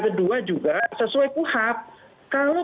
kedua juga sesuai puhab kalau